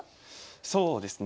そうですね。